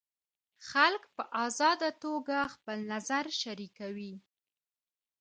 خلک په ازاده توګه خپل نظر شریکوي.